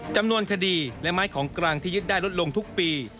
จำนวนคดีและไม้ของกลางที่ยึดได้ลดลงทุกปี